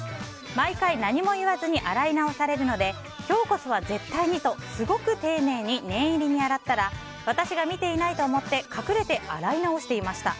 毎回、何も言わずに洗い直されるので今日こそは絶対にとすごく丁寧に念入りに洗ったら私が見ていないと思って隠れて洗い直していました。